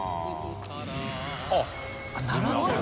あっ並んでる。